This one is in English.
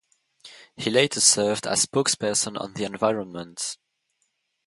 He later served as spokesperson on the Environment.